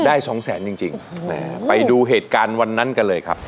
สองแสนจริงไปดูเหตุการณ์วันนั้นกันเลยครับ